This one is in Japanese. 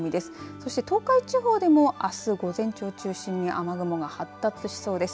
そして東海地方でもあす午前中を中心に雨雲が発達しそうです。